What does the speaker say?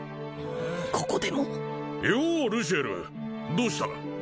ここでもようルシエルどうした？